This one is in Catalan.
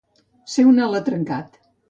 Ser un alatrencat.